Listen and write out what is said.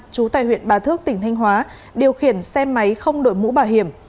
trú tại huyện bà thước tỉnh thanh hóa điều khiển xe máy không đội mũ bảo hiểm